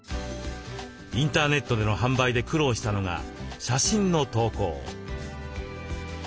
インターネットでの販売で苦労したのが写真の投稿。